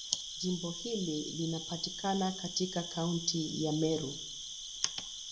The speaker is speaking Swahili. Jimbo hili linapatikana katika Kaunti ya Meru.